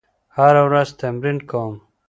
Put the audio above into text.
هره ورځ تمرین کوم.